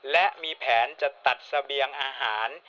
และมีแผนตัดสะเบียงอาหาร